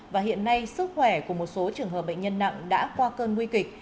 và hiện nay sức khỏe của một số trường hợp bệnh nhân nặng đã qua cơn nguy kịch